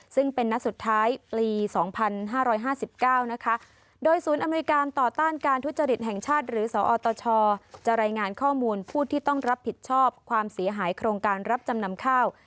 ซึ่งเป็นนัดสุดท้ายปี๒๕๕๙นะคะโดยศูนย์อำนวยการต่อต้านการทุจริตแห่งชาติหรือสอตชจะรายงานข้อมูลผู้ที่ต้องรับผิดชอบความเสียหายโครงการรับจำนำข้าว